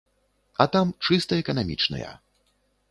А там чыста эканамічныя.